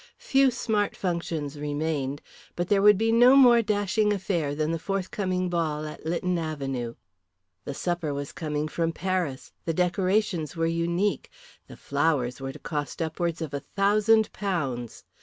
Few smart functions remained, but there would be no more dashing affair than the forthcoming ball at Lytton Avenue. The supper was coming from Paris, the decorations were unique, the flowers were to cost upwards of a thousand pounds.